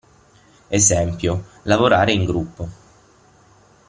Esempio: lavorare in gruppo.